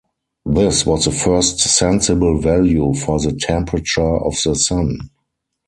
This was the first sensible value for the temperature of the Sun.